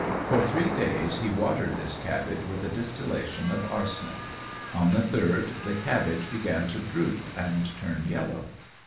For three days he watered this cabbage with a distillation of arsenic; on the third, the cabbage began to droop and turn yellow.